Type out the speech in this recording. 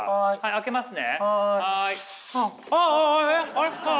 開けますね。